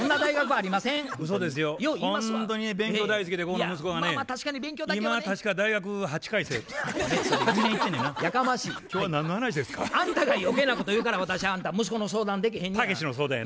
あんたが余計なこと言うから私あんた息子の相談できへんねや。